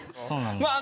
まあ